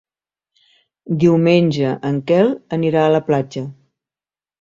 Diumenge en Quel anirà a la platja.